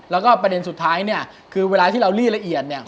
แล้วก็ประเด็นสุดท้ายเนี่ยคือเวลาที่เราลี่ละเอียดเนี่ย